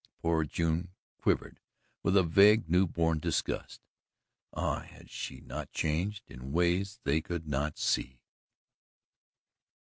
Poor June quivered with a vague newborn disgust. Ah, had she not changed in ways they could not see!